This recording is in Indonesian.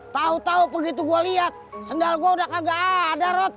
tahu tahu begitu gua lihat sendal gua udah kagak ada rod